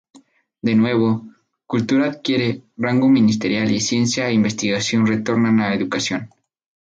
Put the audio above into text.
De nuevo, Cultura adquiere rango ministerial y Ciencia e Investigación retornan a Educación.